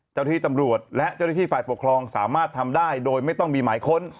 เจ้าที่ตำรวจและเจ้าหน้าที่ฝ่ายปกครองสามารถทำได้โดยไม่ต้องมีหมายค้น